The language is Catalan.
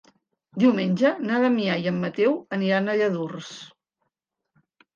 Diumenge na Damià i en Mateu aniran a Lladurs.